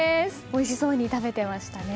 おいしそうに食べてましたね。